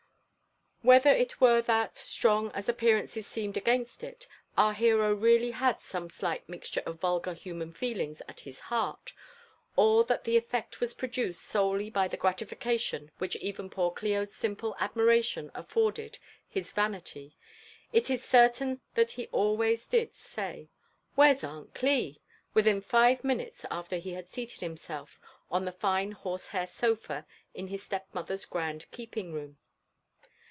Whether it were Chat, strong as appearances seemed against It, our hero really had some slight mixture of vulgar human feeliogs at his heart, or that the efiect was produced solely by the gratification which even poor Clio's simple admiration afforded his vanity, it is eerim that he always did say, ''Where's Aunt CUT* vkhin five minuteg after he had seated himself on the fine horBe 4Miir sofa in his step^ ttoUMr's grand keeping room.